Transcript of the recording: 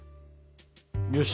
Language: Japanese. よし。